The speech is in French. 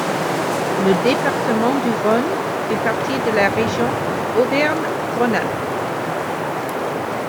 Le département du Rhône fait partie de la région Auvergne-Rhône-Alpes.